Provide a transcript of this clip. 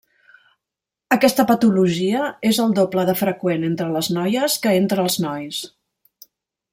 Aquesta patologia és el doble de freqüent entre les noies que entre els nois.